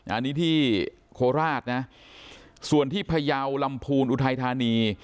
อันนี้ที่โคราชนะส่วนที่พยาวลำพูนอุทัยธานี